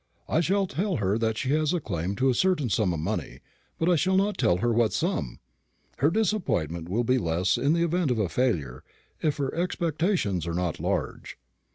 I shall tell her that she has a claim to a certain sum of money; but I shall not tell her what sum. Her disappointment will be less in the event of a failure, if her expectations are not large."